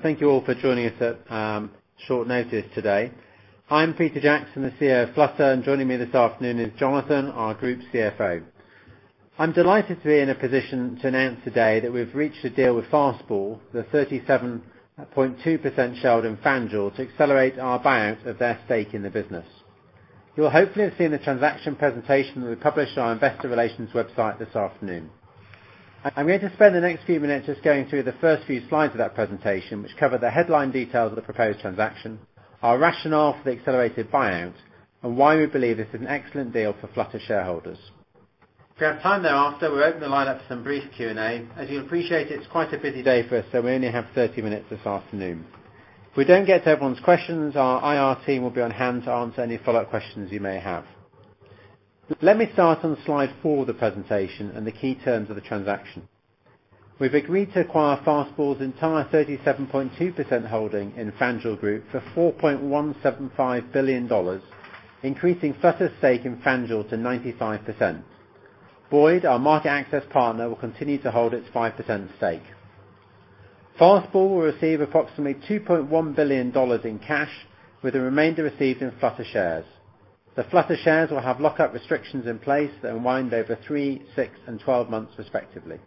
Thank you all for joining us at short notice today. I'm Peter Jackson, the CEO of Flutter, and joining me this afternoon is Jonathan, our group CFO. I'm delighted to be in a position to announce today that we've reached a deal with Fastball, the 37.2% shareholding in FanDuel to accelerate our buyout of their stake in the business. You will hopefully have seen the transaction presentation that we published on our investor relations website this afternoon. I'm going to spend the next few minutes just going through the first few slides of that presentation, which cover the headline details of the proposed transaction, our rationale for the accelerated buyout, and why we believe this is an excellent deal for Flutter shareholders. If we have time thereafter, we'll open the line up for some brief Q&A. As you'll appreciate, it's quite a busy day for us, so we only have 30 minutes this afternoon. If we don't get to everyone's questions, our IR team will be on hand to answer any follow-up questions you may have. Let me start on slide four of the presentation and the key terms of the transaction. We've agreed to acquire Fastball's entire 37.2% holding in FanDuel Group for $4.175 billion, increasing Flutter's stake in FanDuel to 95%. Boyd, our market access partner, will continue to hold its 5% stake. Fastball will receive approximately $2.1 billion in cash, with the remainder received in Flutter shares. The Flutter shares will have lockup restrictions in place that unwind over three, six, and 12 months respectively.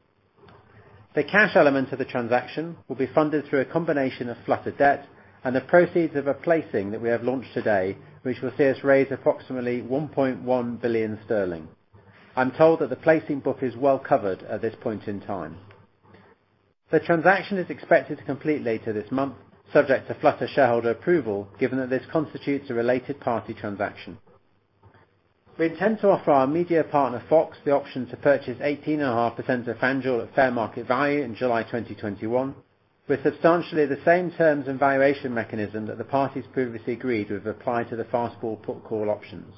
The cash element of the transaction will be funded through a combination of Flutter debt and the proceeds of a placing that we have launched today, which will see us raise approximately 1.1 billion sterling. I'm told that the placing book is well covered at this point in time. The transaction is expected to complete later this month, subject to Flutter shareholder approval, given that this constitutes a related party transaction. We intend to offer our media partner, FOX, the option to purchase 18.5% of FanDuel at fair market value in July 2021, with substantially the same terms and valuation mechanism that the parties previously agreed would apply to the Fastball put call options.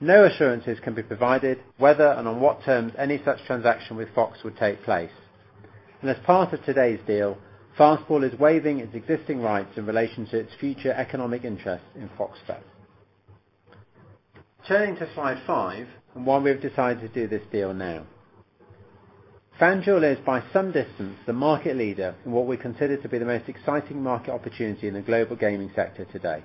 No assurances can be provided whether and on what terms any such transaction with FOX would take place. As part of today's deal, Fastball is waiving its existing rights in relation to its future economic interests in FOX Bet. Turning to slide five and why we've decided to do this deal now. FanDuel is, by some distance, the market leader in what we consider to be the most exciting market opportunity in the global gaming sector today.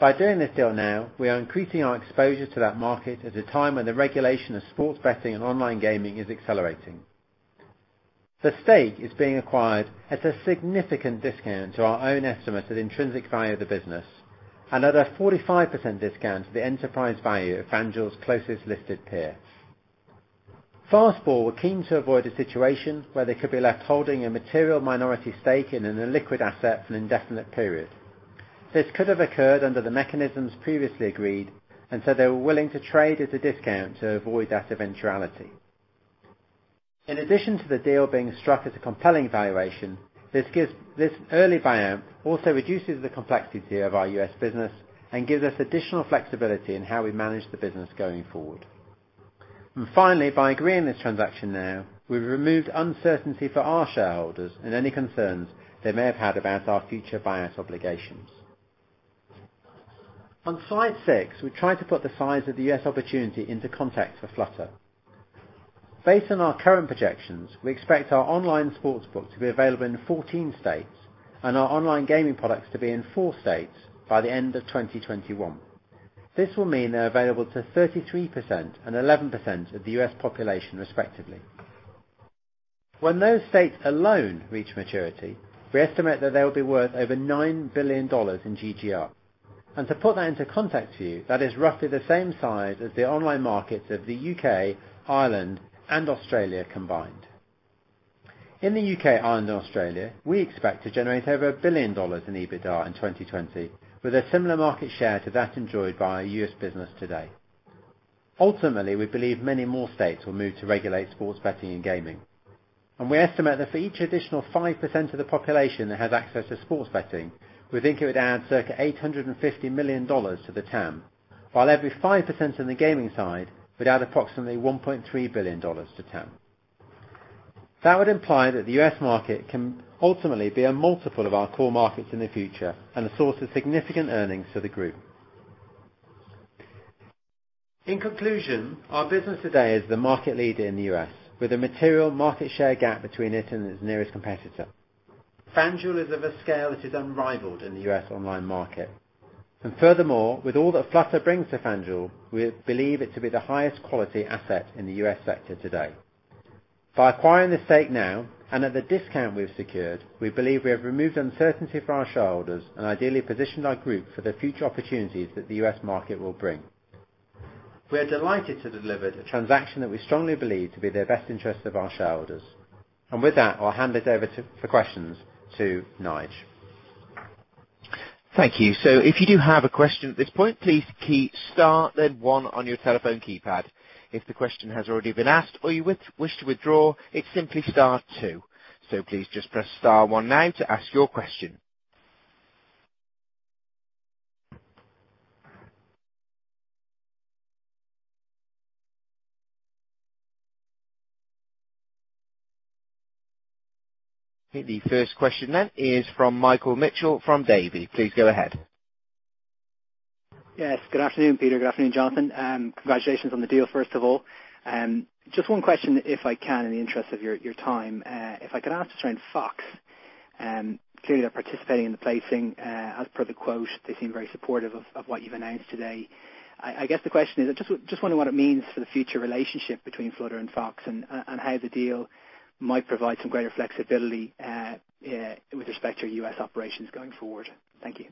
By doing this deal now, we are increasing our exposure to that market at a time when the regulation of sports betting and online gaming is accelerating. The stake is being acquired at a significant discount to our own estimate of the intrinsic value of the business and at a 45% discount to the enterprise value of FanDuel's closest listed peer. Fastball were keen to avoid a situation where they could be left holding a material minority stake in an illiquid asset for an indefinite period. This could have occurred under the mechanisms previously agreed. They were willing to trade at a discount to avoid that eventuality. In addition to the deal being struck at a compelling valuation, this early buyout also reduces the complexity of our U.S. business and gives us additional flexibility in how we manage the business going forward. Finally, by agreeing this transaction now, we've removed uncertainty for our shareholders and any concerns they may have had about our future buyout obligations. On slide six, we try to put the size of the U.S. opportunity into context for Flutter. Based on our current projections, we expect our online sportsbook to be available in 14 states and our online gaming products to be in four states by the end of 2021. This will mean they're available to 33% and 11% of the U.S. population respectively. When those states alone reach maturity, we estimate that they will be worth over $9 billion in GGR. To put that into context for you, that is roughly the same size as the online markets of the U.K., Ireland, and Australia combined. In the U.K., Ireland, and Australia, we expect to generate over $1 billion in EBITDA in 2020, with a similar market share to that enjoyed by our U.S. business today. Ultimately, we believe many more states will move to regulate sports betting and gaming. We estimate that for each additional 5% of the population that has access to sports betting, we think it would add circa $850 million to the TAM, while every 5% in the gaming side would add approximately $1.3 billion to TAM. That would imply that the U.S. market can ultimately be a multiple of our core markets in the future and a source of significant earnings for the group. In conclusion, our business today is the market leader in the U.S., with a material market share gap between it and its nearest competitor. FanDuel is of a scale that is unrivaled in the U.S. online market. Furthermore, with all that Flutter brings to FanDuel, we believe it to be the highest quality asset in the U.S. sector today. By acquiring the stake now and at the discount we've secured, we believe we have removed uncertainty for our shareholders and ideally positioned our group for the future opportunities that the U.S. market will bring. We are delighted to have delivered a transaction that we strongly believe to be in the best interest of our shareholders. With that, I'll hand it over for questions to Nige. Thank you. If you do have a question at this point, please key star then one on your telephone keypad. If the question has already been asked or you wish to withdraw, it's simply star two. Please just press star one now to ask your question. The first question then is from Michael Mitchell from Davy. Please go ahead. Yes. Good afternoon, Peter. Good afternoon, Jonathan. Congratulations on the deal, first of all. Just one question, if I can, in the interest of your time. If I could ask around FOX. Clearly, they're participating in the placing as per the quote. They seem very supportive of what you've announced today. I guess the question is, I just wonder what it means for the future relationship between Flutter and FOX, and how the deal might provide some greater flexibility with respect to your U.S. operations going forward. Thank you.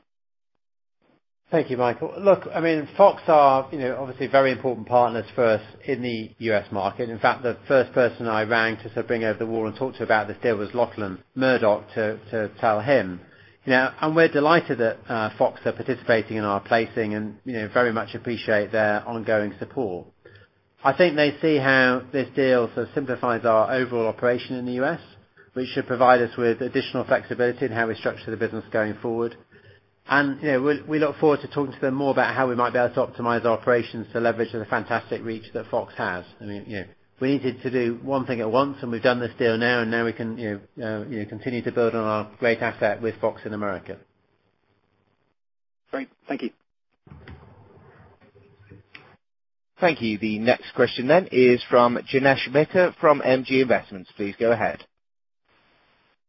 Thank you, Michael. Look, FOX are obviously very important partners for us in the U.S. market. In fact, the first person I rang to bring over the wall and talk to about this deal was Lachlan Murdoch, to tell him. We're delighted that FOX are participating in our placing and very much appreciate their ongoing support. I think they see how this deal simplifies our overall operation in the U.S., which should provide us with additional flexibility in how we structure the business going forward. We look forward to talking to them more about how we might be able to optimize our operations to leverage the fantastic reach that FOX has. We needed to do one thing at once, and we've done this deal now, and now we can continue to build on our great asset with FOX in America. Great. Thank you. Thank you. The next question then is from Jinesh Baker from MG Investments. Please go ahead.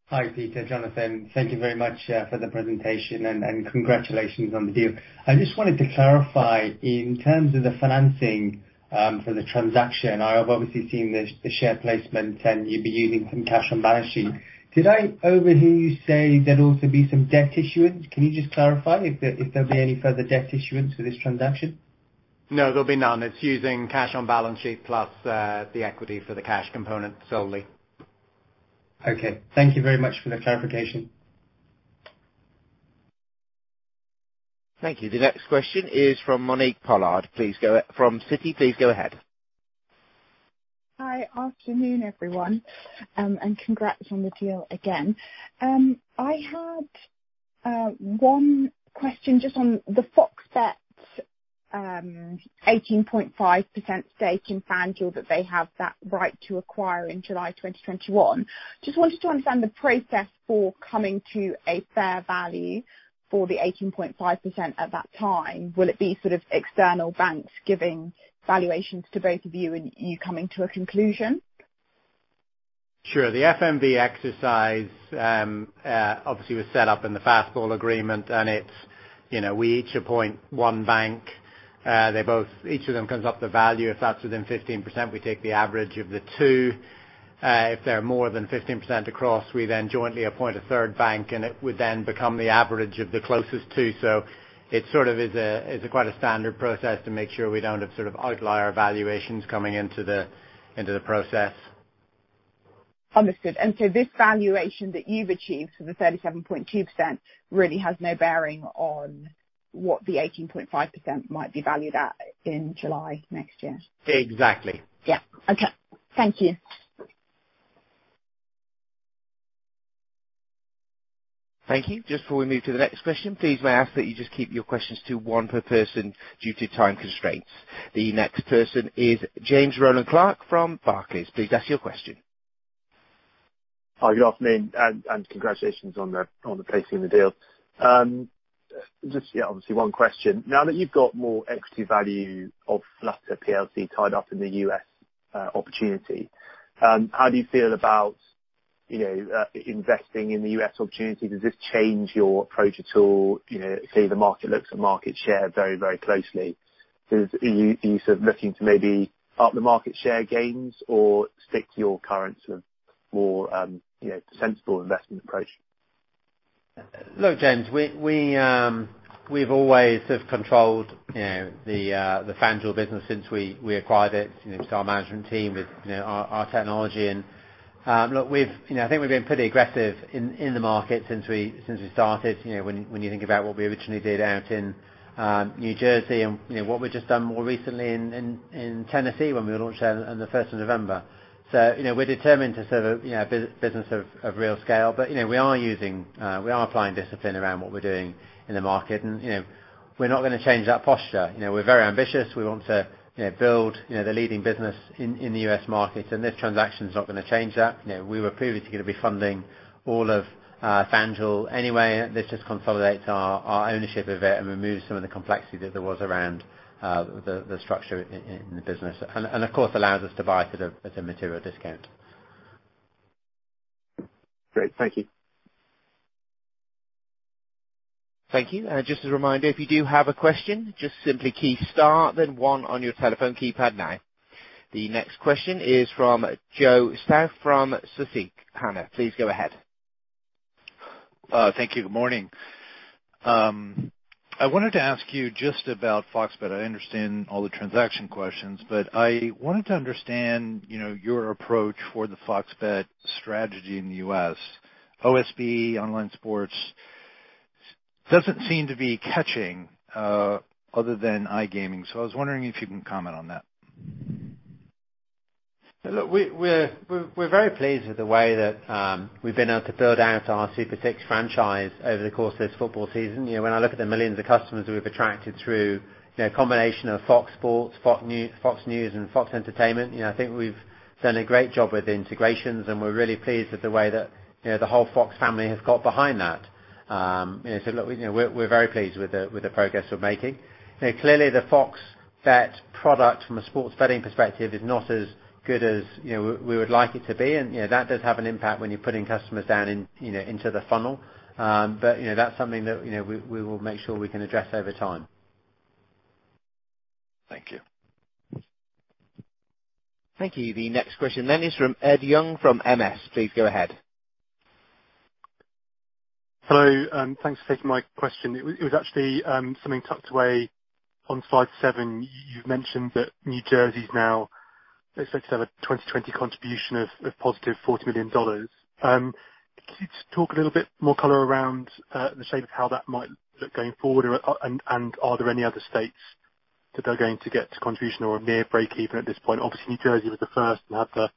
Hi, Peter, Jonathan. Thank you very much for the presentation, and congratulations on the deal. I just wanted to clarify, in terms of the financing for the transaction, I have obviously seen the share placement, and you'll be using some cash on balance sheet. Did I overhear you say there'll also be some debt issuance? Can you just clarify if there'll be any further debt issuance for this transaction? No, there'll be none. It's using cash on balance sheet plus the equity for the cash component solely. Okay. Thank you very much for the clarification. Thank you. The next question is from Monique Pollard from Citi. Please go ahead. Hi. Afternoon, everyone, and congrats on the deal again. I had one question just on the FOX Bet's 18.5% stake in FanDuel that they have that right to acquire in July 2021. Just wanted to understand the process for coming to a fair value for the 18.5% at that time. Will it be sort of external banks giving valuations to both of you and you coming to a conclusion? Sure. The FMV exercise obviously was set up in the Fastball agreement, and we each appoint one bank. Each of them comes up with a value. If that's within 15%, we take the average of the two. If they're more than 15% across, we then jointly appoint a third bank, and it would then become the average of the closest two. It sort of is quite a standard process to make sure we don't have outlier valuations coming into the process. Understood. This valuation that you've achieved for the 37.2% really has no bearing on what the 18.5% might be valued at in July next year. Exactly. Yeah. Okay. Thank you. Thank you. Just before we move to the next question, please may I ask that you just keep your questions to one per person due to time constraints. The next person is James Rowland Clark from Barclays. Please ask your question. Hi. Good afternoon. Congratulations on the placing of the deal. Just obviously one question. Now that you've got more equity value of Flutter PLC tied up in the U.S. opportunity, how do you feel about investing in the U.S. opportunity? Does this change your approach at all? Clearly, the market looks at market share very closely. Are you looking to maybe up the market share gains or stick to your current more sensible investment approach? James, we've always controlled the FanDuel business since we acquired it with our management team, with our technology. I think we've been pretty aggressive in the market since we started, when you think about what we originally did out in New Jersey and what we've just done more recently in Tennessee when we launched there on the 1st of November. We're determined to have a business of real scale. We are applying discipline around what we're doing in the market, and we're not going to change that posture. We're very ambitious. We want to build the leading business in the U.S. market, and this transaction is not going to change that. We were previously going to be funding all of FanDuel anyway. This just consolidates our ownership of it and removes some of the complexity that there was around the structure in the business. Of course, allows us to buy at a material discount. Great. Thank you. Thank you. Just a reminder, if you do have a question, just simply key star then one on your telephone keypad now. The next question is from Joseph Stauff from Susquehanna. Please go ahead. Thank you. Good morning. I wanted to ask you just about FOX Bet. I understand all the transaction questions, but I wanted to understand your approach for the FOX Bet strategy in the U.S. OSB, online sports, doesn't seem to be catching other than iGaming. I was wondering if you can comment on that. We're very pleased with the way that we've been able to build out our Super 6 franchise over the course of this football season. When I look at the millions of customers we've attracted through a combination of FOX Sports, FOX News, and FOX Entertainment, I think we've done a great job with integrations, and we're really pleased with the way that the whole FOX family has got behind that. We're very pleased with the progress we're making. Clearly, the FOX Bet product from a sports betting perspective is not as good as we would like it to be, and that does have an impact when you're putting customers down into the funnel. That's something that we will make sure we can address over time. Thank you. Thank you. The next question then is from Ed Young from MS. Please go ahead. Hello, thanks for taking my question. It was actually something tucked away on slide seven. You've mentioned that New Jersey is now expected to have a 2020 contribution of +$40 million. Could you just talk a little bit more color around the shape of how that might look going forward? Are there any other states that are going to get to contribution or near breakeven at this point? Obviously, New Jersey was the first to have the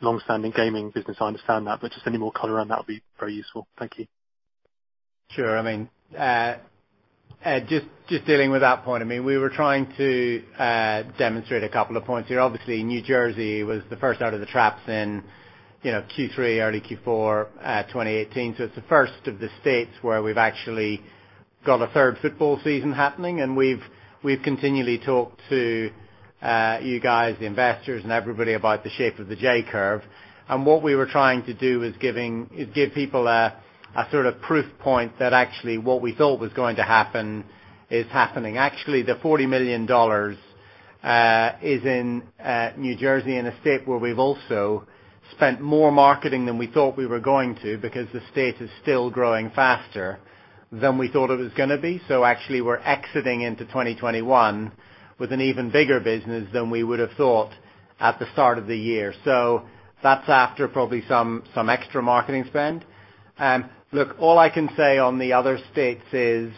longstanding gaming business. I understand that, but just any more color around that would be very useful. Thank you. Sure. Just dealing with that point, we were trying to demonstrate a couple of points here. Obviously, New Jersey was the first out of the traps in Q3, early Q4 2018. It's the first of the states where we've actually got a third football season happening, and we've continually talked to you guys, the investors, and everybody about the shape of the J-curve. What we were trying to do is give people a sort of proof point that actually what we thought was going to happen is happening. Actually, the $40 million is in New Jersey, in a state where we've also spent more marketing than we thought we were going to because the state is still growing faster than we thought it was going to be. Actually, we're exiting into 2021 with an even bigger business than we would have thought at the start of the year. That's after probably some extra marketing spend. Look, all I can say on the other states is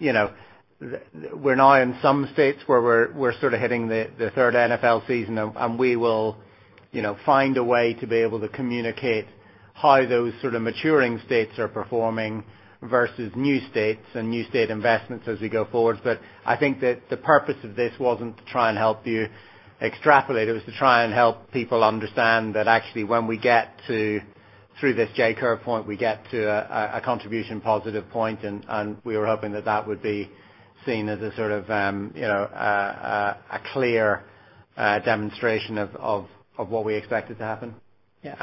we're now in some states where we're sort of hitting the third NFL season, and we will find a way to be able to communicate how those sort of maturing states are performing versus new states and new state investments as we go forward. I think that the purpose of this wasn't to try and help you extrapolate. It was to try and help people understand that actually, when we get through this J-curve point, we get to a contribution positive point, and we were hoping that that would be seen as a sort of a clear demonstration of what we expected to happen. Yeah.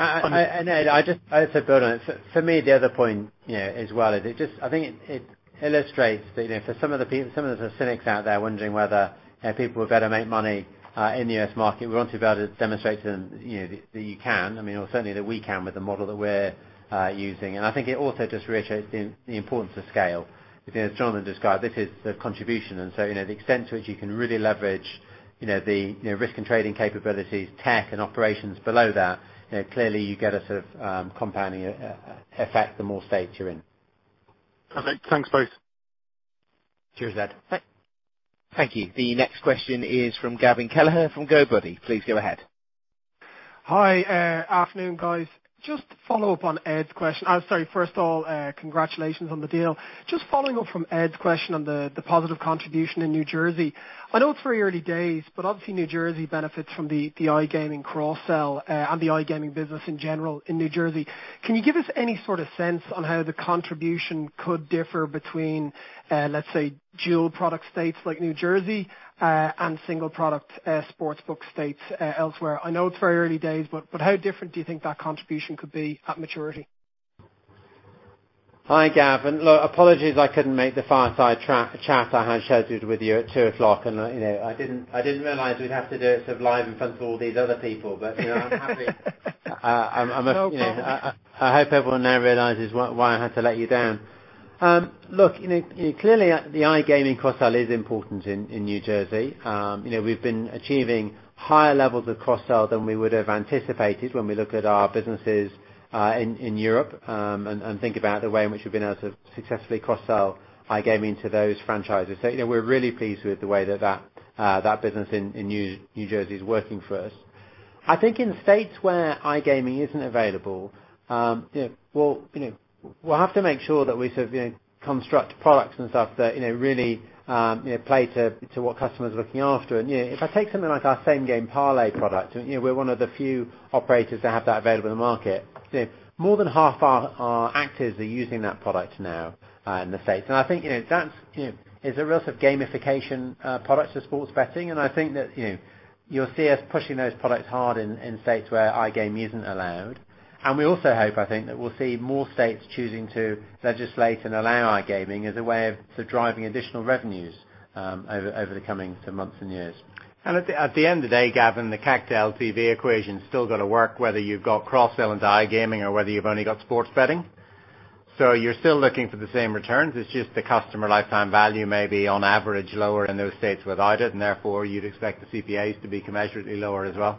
Ed, I just build on it. For me, the other point as well is, I think it illustrates that for some of the cynics out there wondering whether people are going to make money in the U.S. market, we want to be able to demonstrate to them that you can. Certainly that we can with the model that we're using. I think it also just reiterates the importance of scale. As Jonathan described, this is the contribution. The extent to which you can really leverage the risk and trading capabilities, tech and operations below that, clearly you get a sort of compounding effect the more states you're in. Okay. Thanks, both. Cheers, Ed. Bye. Thank you. The next question is from Gavin Kelleher from Goodbody. Please go ahead. Hi, afternoon, guys. Just to follow up on Ed's question. Sorry. First of all, congratulations on the deal. Just following up from Ed's question on the positive contribution in New Jersey. I know it's very early days, but obviously New Jersey benefits from the iGaming cross-sell, and the iGaming business in general in New Jersey. Can you give us any sort of sense on how the contribution could differ between, let's say, dual product states like New Jersey, and single product sportsbook states elsewhere? I know it's very early days, but how different do you think that contribution could be at maturity? Hi, Gavin. Look, apologies I couldn't make the fireside chat I had scheduled with you at two o'clock. I didn't realize we'd have to do it sort of live in front of all these other people. No problem. I hope everyone now realizes why I had to let you down. Look, clearly, the iGaming cross-sell is important in New Jersey. We've been achieving higher levels of cross-sell than we would have anticipated when we look at our businesses in Europe, and think about the way in which we've been able to successfully cross-sell iGaming to those franchises. We're really pleased with the way that that business in New Jersey is working for us. I think in states where iGaming isn't available, we'll have to make sure that we sort of construct products and stuff that really play to what customers are looking after. If I take something like our Same-Game Parlay product, we're one of the few operators that have that available in the market. More than half our actives are using that product now in the States. I think that's a real sort of gamification product to sports betting, I think that you'll see us pushing those products hard in states where iGaming isn't allowed. We also hope, I think, that we'll see more states choosing to legislate and allow iGaming as a way of driving additional revenues over the coming months and years. At the end of the day, Gavin, the CAC LTV equation's still got to work, whether you've got cross-sell into iGaming or whether you've only got sports betting. You're still looking for the same returns. It's just the customer lifetime value may be on average lower in those states without it, and therefore you'd expect the CPAs to be commensurately lower as well.